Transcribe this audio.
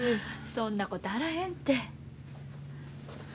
そんなことあらへんて。